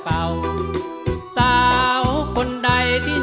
ในรายการร้องได้ให้ร้านลูกทุ่งสู้ชีวิต